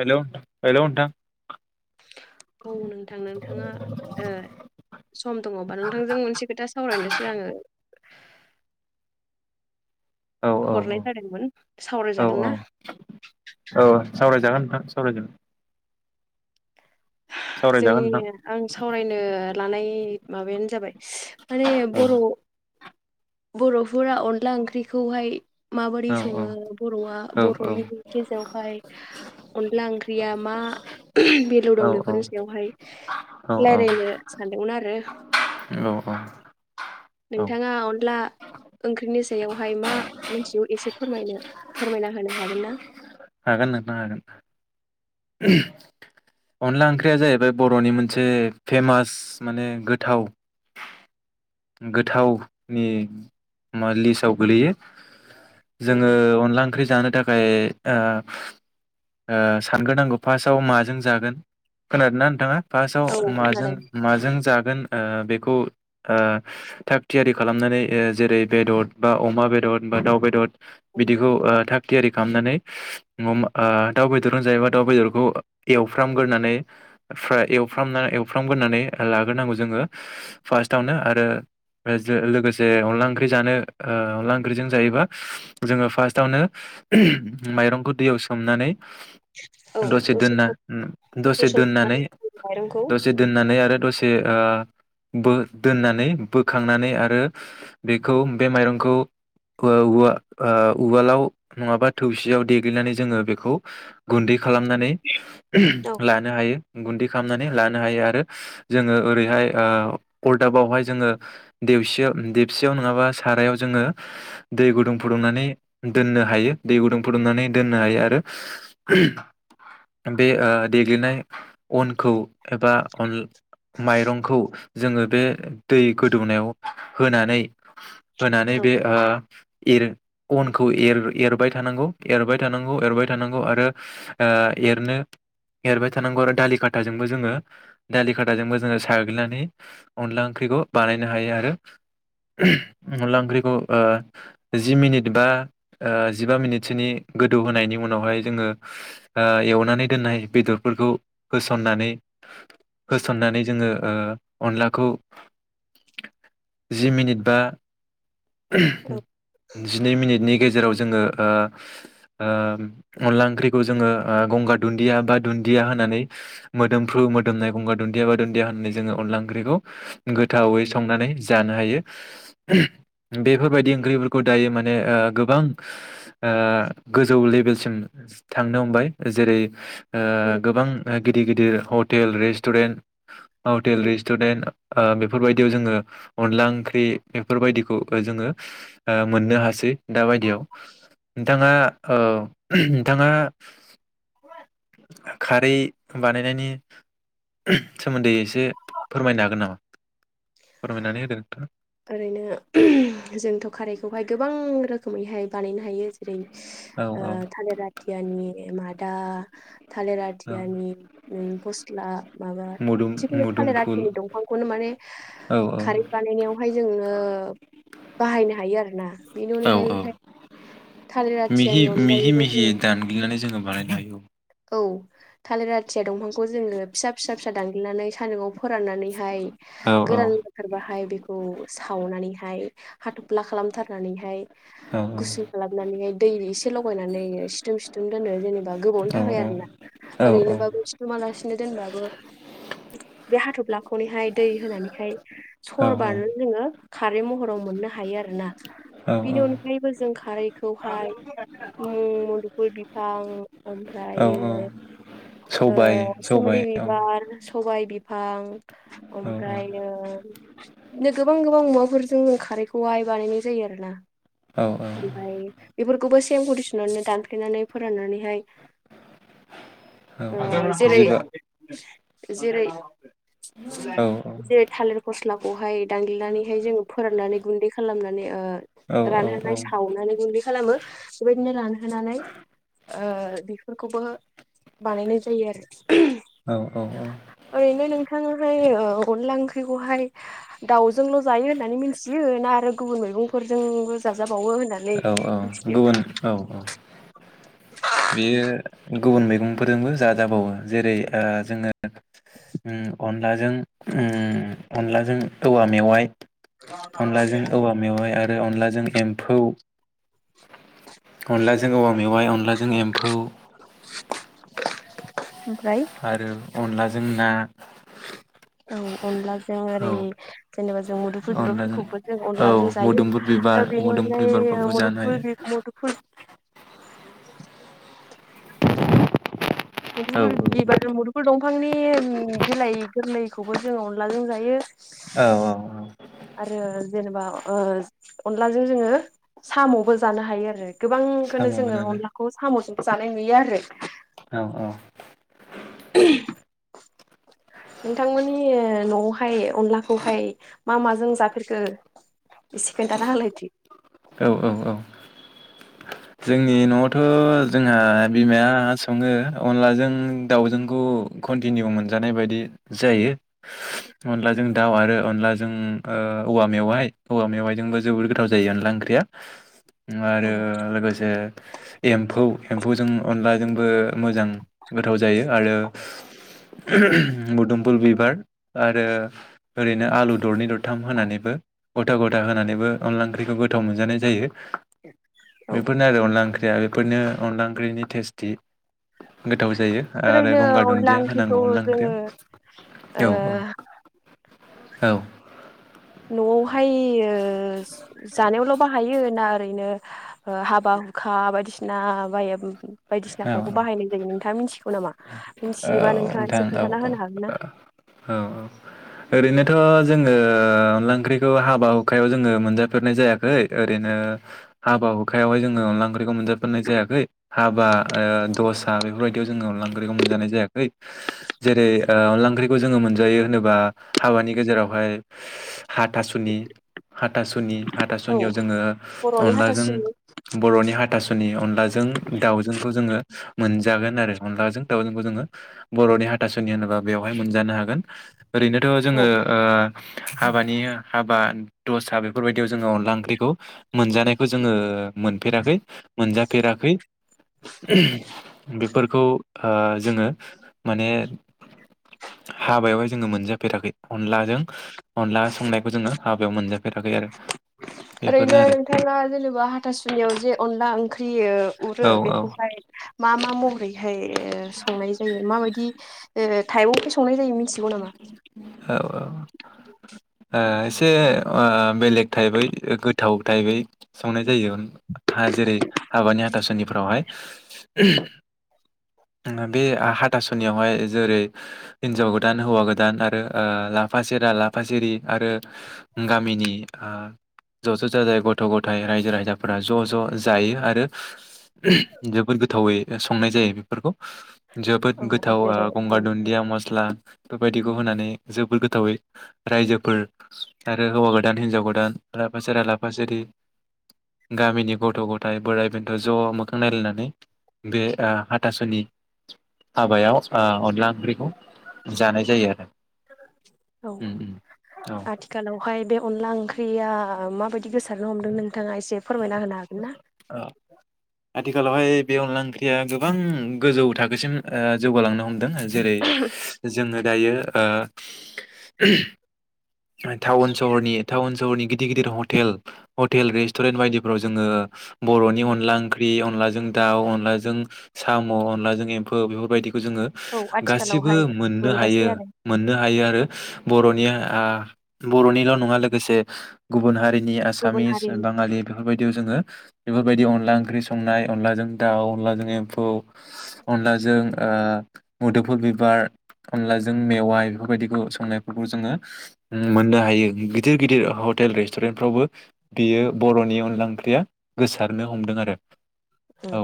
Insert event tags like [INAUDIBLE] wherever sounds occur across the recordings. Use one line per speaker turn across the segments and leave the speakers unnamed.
Hello hello नोंथां
औ नोंथां नोंथाङा सम दङबा नोंथांजों मोनसे खोथा सावरायनोसो आङो
औ औ
हरनाय जादोंमोन
औ औ
सावरायजागोन ना
औ औ सावरायजागोन नोंथां सावराय जा सावरायजागोन
जोंनि आं सावरायनो लानाय माबायानो जाबाय माने
नोंथां औ
बर' बर'फोरा अनला ओंख्रिखौहाय माबोरै
औ
सङो बर'आ
औ
बर'नि गेजेरावहाय अनला ओंख्रिया मा बेलौ
औ
दं बेफोरनि सायावहाय
औ औ
रायज्लायनो सानदोंमोन आरो
अ
नोंथाङा अनला ओंख्रिनि सायावहाय मा मोनथिगौ एसे फोरमायनो फोरमायना होनो हागोन ना
हागोन ननो हागोन अनला ओंख्रिया जाहैबाय बर'नि मोनसे फेमास माने गोथाव गोथावनि मा लिस्टआव गोलैयो
औ
जोङो अनला ओंख्रि जानो थाखाय ओ-ओ सानग्रोनांगौ फार्स्टआव माजों जागोन खोनादों ना नोंथाङा? फार्स्टआव
औ
माजों
खोनादों
माजों जागोन ओ बेखौ ओ थाग थियारि खालामनानै ओ जेरै बेदर बा अमा बेदर बा दाउ बेदर बिदिखौ थाग थियारि खालामनानै दाउ बेदरजों जायोबा दाउ बेदरखौ एवफ्रामग्रोनानै फ्र एफ्रामनानै एवफ्रामग्रोनानै लाग्रोनांगौ जोङो फार्स्टआवनो आरो लोगोसे अनला ओंख्रि जानो अनला ओंख्रिजों जायोबा जोङो फार्स्टआवनो माइरंखौ दैयाव सोमनानै
औ
दसे
सम दसे सम
दोननानै
सोमनानै दोनो माइरंखौ
दसे दोननानै आरो दसे ओ बो दोननानै बोखांनानै आरो बेखौ बे माइरंखौ ओ उवा ओ उवालाव नङाबा थौसियाव देग्लिनानै जोङो बेखौ गुन्दै खालामनानै
औ
[UNINTELLIGIBLE] लानो हायो। गुन्दै खालामनानै लानो हायो आरो जोङो ओरैहाय ओ अरदाबावहाय जोङो देवसियाव देबसियाव नोङाबा सारायाव जोङो दै गुदुं फुदुंनानै दोननो हायो। दै गुदुं फुदुंनानै दोननो हायो आरो बे ओ देग्लिनाय अनखौ एबा अन माइरंखौ जोङो बे दै गोदौनायाव होनानै होनानै बे ओ एर अनखौ एर एरबाय थानांगौ एरबाय थानांगौ एरबाय थानांगौ आरो ओ एरनो एरबाय थानांगौ आरो दालि खाथाजोंबो जोङो दालि खाथाजोंबो जोङो साग्लिनानै अनला ओंख्रिखौ बानायनो हायो आरो अनला ओंख्रिखौ ओ जि मिनिट बा ओ जिबा मिनिटसोनि गोदौ होनायनि उनावहाय जोङो ओ एवनानै दोननाय बेदरफोरखौ होसननानै होसननानै जोङो ओ अनलाखौ जि मिनिट बा
औ
जिनै मिनिटनि गेजेराव जोङो ओ ओम अनला ओंख्रिखौ जोङो ओ गंगार दुन्दिया बा दुन्दिया होननानै मोदोमफ्रु मोदोमनाय गंगार दुन्दिया बा दुन्दिया होननानै जोङो अनला ओंख्रिखौ गोथावै संनानै जानो हायो। बेफोरबायदि ओंख्रिफोरखौ दायो माने ओ गोबां ओ गोजौ लेबेलसिम थांनो हमबाय जेरै ओ
बर'
गोबां ओ गि दि गिदिर हटेल रेस्टुरेन्ट हटेल
औ
रिस्टुरेन ओ बेफोरबायदियाव जोङो अनला ओंख्रि बेफोरबायदिखौ ओ जोङो मोननो हासै दा बायदियाव। नोंथाङा औ नोंथाङा खारै बानायनायनि सोमोन्दै एसे फोरमायनो हागोन नामा? फोरमायनानै होदो नोंथां।
ओरैनो जोंथ' खारैखौहाय गोबां रोखोमैहाय बानायनो हायो जेरै
औ
ओ
औ
थालेर आथियानि मा दा थालिर
औ
आथियानि उम फस ला माबा
मुदुम
जिखुनु थालेर
मुदुमफुल
आथिनि दंफांखौनो माने
औ
खारै बानायनायाव हाय जोङो बाहायनो हायो आरोना बेनि
औ औ
अनगायैहाय थालेर आथियानि अनगायैबो जोङो
नै जोङो बानायनो हायो औ।
औ थालेर आथिया दंफांखौ जोङो फिसा फिसा फिसा दानग्लिनानै सानदुंआव फोराननानैहाय
हायो औ औ
गोरान जाथारबाहाय बेखौ सावनानैहाय हाथ'फ्ला खालामथारनानैहाय
औ
गुसु खालामनानैहाय दै एसे लगायनानै सिथुम सिथुम दोनो जेनेबा गोबाव
औ
थाखाय
औ
आरोना
औ औ
ओरैनोबाबो सिथुमालासिनो दोनबाबो बे हाथ'ब्लाखौनोहाय दै होनानैहाय
औ
सरबानो जोङो खारै महराव मोननो हायो आरोना
औ
बेनि अनगायैबो जों खारैखौहाय उम मुदुफुल बिफां ओमफाय
औ औ
ओमफ्रायो
सबाय
ओ
सबाय
सोमलि
औ
बिबार सबाय बिब बिफां
औ औ
ओमफ्राय नो [UNINTELLIGIBLE] गोबां गोबां मुवाफोरजों खारैखौहाय बानायनाय जायो आरो ना
औ
ओमफ्राय बेफोरखौबो सि सेम [UNINTELLIGIBLE] सनावनो दानफ्लेनानै फोराननानैहाय
औ
ओ
औ
जेरै
जेबो
जेरै
औ
जेरै थालिर फस्ला खौहाय दानग्लिनानैहाय जोङो फोराननानै गुन्दै खालामनानै
औ
ओ
औ
रानहोनानै सावनानै गुन्दै खालामो बेबायदिनो रानहोनानै ओ खौबो बानायनाय जायो आरो
औ औ
ओरैनो नोंथाङाहाय ओ अनला ओंख्रिखौहाय दाउजोंल' जायो होननानै मिथियो ना आरो गुबुन मैगंफोरजोंबो जाजाब
औ औ गुबुन औ औ
[INAUDIBLE]
बेयो गुबुन मैगंफोरजोंबो जाजाबावो जेरै ओ जोङो उम अनलाजों उम अनलाजों औवा मेवाइ अनलाजों औवा मेवाइ आरो अनलाजों एम्फौ अनलाजों औवा मेवाय अनलाजों जों एम्फौ
ओमफ्राय
[UNINTELLIGIBLE] आरो अनलाजों जोंना
औ अनलाजों
औ
ओरै जेनेबा जों मुदुफुल
अनलाजों
बिबारफोरखौबो जों
औ
अनलाजों
मोदोमफुल
जायो
बिबार
बेनि
मोदोमफुल
अनगायै
बिबारफोरखौबो जानो हायो
मुदुफुल मुदुफुल
औ
मुदुफुल बिबार दं मुदुफुल दं बिफांनि बिलाइ गोरलैखौबो जोङो अनलाजों जायो
औ औ औ
आरो जेनेबा ओ अनलाजों जोङो साम'बो जानो हायो आरो। गोबांखौनो
साम'बो
जोङो
जानो
अनलाखौ साम'जों जानाय नुयो आरो
औ औ
[INAUDIBLE] नोंथांमोननि न'आवहाय अनलाखौहाय मा माजों जाफेरखो एसे खोनन्थाना होलायदो
औ औ औ जोंनि न'आवथ' जोंहा बिमाया सङो अनलाजों दाउजोंखौ कन्टिनिउ मोनजानाय बायदि जायो अनलाजों दाउ आरो अनलाजों औवा मेवाय औवा मेवायजोंबो जोोबद गोथाव जायो अनला ओंख्रिया
औ
आरो लोगोसे एमौ एमौ जों अनलाजोंबो मोजां गोथाव जायो आरो गुदुमफुल बिबार आरो ओरैनो आलु दरनै दरथाम होनानैबो गथा गथा होनानैबो अनला ओंख्रिखौ गोथाव मोनजानाय जायो।
औ
बेफोरनो आरो अनला ओं ख्रिया बेफोरनो अनला ओंख्रिनि टेस्टि। गोथाव जायो आरो
ओरैनो
गंगार
अनला
दुन्दिया
ओंख्रिखौ
होनांगौ अनला
जोङो
ओंख्रियाव औ औ औ
न'आव हायो जानायावल' बाहायो ना ओरैनो हाबा हुखा बायदिसिना बा
औ
बायदिसिनाफ्राब बाहायनाय जायो नोंथाङा मिथिगौ नामा मिथियोबा
औ
नोंथाङा एसे
नोंथां
खोन्थाना
औ
होनो हागोन ना?
औ औ ओरैनोथ' जोङो अनला ओंख्रिखौ हाबा हुखायाव जोङो मोनजाफेरनाय जायाखै ओरैनो हाबा हुखायावहाय जोङो अनला ओंख्रि बेखौ मोनजाफनाय जायाखै हाबा दसा बेफोरबायदियाव जोङो अनला ओंख्रिखौ मोनजानाय जायाखै जेरै अनला ओंख्रिखौ जोङो मोनजायो होनोबा हाबानि गेजेरावहाय हाथासुनि हाथासुनि
औ
हाथासुनियाव जोङो
बर'नि
अनलाजों
हाथासुनि
बर'नि हाथासुनि अन लाजों दावजोंखौ जोङो मोनजागोन आरो अनलाजों दाउजोंखौ जोङो बर'नि हाथासुनि होनोबा बेवहाय मोनजानो हागोन। ओरैनोथ'
औ
जोङो हाबानि हाबा दसा बेफोरबायदियाव जोङो अनला ओंख्रिखौ मोनजानायखौ जोङो मोनफेराखै मोनजाफेराखै बेफोरखौ जोङो माने हाबायावहाय जोङो मोनजाफेराखै अनलाजों अनला संनायखौ जोङो हाबायाव मोनजाफेराखै आरो। बेफोरनो
ओरैनो
आरो
हरो
औ
बेखौहाय मा मा महरैहाय संनाय जायो माबायदि जेरै थाइ उफिस संनाय जायो मिथिगौ नामा
औ एसे बेलेग थाइबै गोथाव थाइबै संनाय जायो हा जेरै हाबानि हाथासनिफ्रावहाय बे हाथासुनियावहाय जेरै हिनजाव गो गोदान हौवा गोदान आरो लाफा सेरा लाफा सिरि आरो गामिनि ज' ज' जाजाय गथ' गथाइ रायजो राजाफोरा ज' ज' जायो आरो जोबोद गोथावै संनाय जायो बेफोरखौ जोबोद
औ
गोथाव
जेरै
गंगार दुनदिया मसला बेबायदिखौ होनानै जोबोर गोथावै रायजोफोर आरो हौवा गोदान हिनजाव गोदान लाफा सेरा लाफा सिरि गामिनि गथ' गथाइ बोराइ बेन्थ' ज' मोखां नायलायनानै बे हाथासुनि हाबायाव अनला ओंख्रिखौ जानाय जायो आरो
औ
उम उम औ
आथिखालाव बेहाय बे अनला ओंख्रिया माबायदि गोसारनो हमदों नों थाङा इसे फोरमायना होनो हागोन ना?
ओ आथिखालावहाय बे अनला ओंख्रिया गोबां गोजौ थाखोसिम ओ जौगालांनो हमदों जेरै जोङो दायो ओ टाउन सहरनि टाउन सहरनि गिदिर गिदिर हटेल हटेल रेस्टुरेन्ट बायदिफोराव जोङो बर'नि अनला ओंख्रि अनलाजों दाव अनलाजों साम' अनलाजों एमफौ बेफोरबायदि जोङो
औ
गासिबो
आथिखालावहाय
मोननो
मोनजासै
हायो
आरो
मोननो हायो आरो बर'नि आ बर'निल' नङा लोगोसे गुबुन हारि नि
गुबुन
आसामिस
हारिनि
बाङालि बेफोरबायदियाव जोङो बेफोरबायदि अनला ओंख्रि संनाय अनलाजों दाउ अनलाजों एमफौ अनलाजों ओ मोदोमफोर बिबार अनलाजों मेवाइ बेफोरबायदिखौ संनायफोरखौ जोङो मोननो हायो गिदिर गिदिर हटेल रेस्टुरेन्टफ्रावबो बियो बर'नि अनला ओंख्रिया गोसारनो हमदों आरो
उम
औ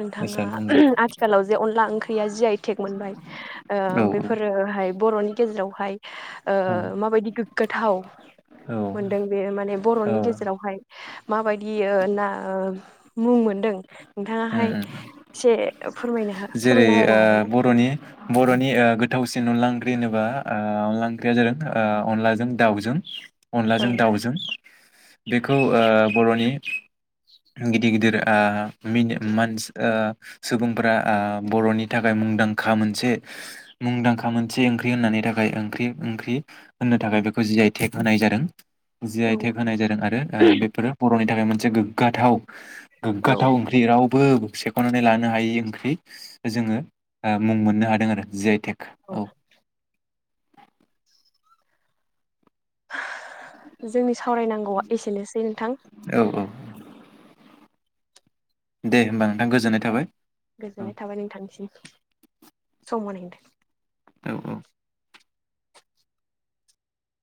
नोंथाङा
गोसारनो हमदों
आथिखालाव जे अनला ओंख्रिया जि आइ टेक मोनबाय
औ
ओ बेफोरोहाय बर'नि गेजेरावहाय ओ
औ
माबायदि गोग्गाथाव मोनदों बेयो माने
औ
बर'नि गेजेरावहाय माबायदियो ना मुं मोनदों
उम
नोंथाङाहाय
उम
एसे फोरमायनो
जेरै
फोरमायना होनो हागोन ना?
ओ बर'नि बर'नि ओ गोथावसिन अनला ओंख्रि होनोबा ओ अनला ओंख्रिया जादों ओ अनलाजों दाउजों
औ
अनलाजों दाउजों बेखौ ओ बर'नि [INAUDIBLE] गिदिर गिदिर आ मिन मानस आ सुबुंफोरा आ बर'नि थाखाय मुंदांखा मोनसे मुंदांखा मोनसे ओंख्रि होननानै थाखाय ओंख्रि ओंख्रि होननो थाखाय बेखौ जि आइ तेक होनाय जादों। जि आइ
औ
तेग होनाय जादों आरो ओ बेफोरो बर'नि थाखाय मोनसे गोगाथाव
औ
गोगाथाव ओंख्रि राव बो सेख'नानै लानो हायै ओंख्रि जोंङो मुं मोननो हादों आरो जि आइ तेग
औ
[INAUDIBLE]
जोंनि सावरायनांगौआ एसेनोसै नोंथां
औ औ दे होमबा नोंथां गोजोननाय थाबाय ।
गोजोननाय थाबाय नोंथांसिम सम होनायनि थाख
औ-औ